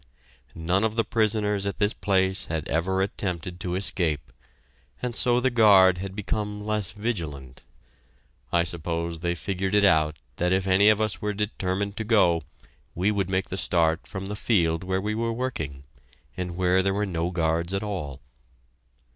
None of the prisoners at this place had ever attempted to escape, and so the guard had become less vigilant. I suppose they figured it out that if any of us were determined to go, we would make the start from the field where we were working, and where there were no guards at all.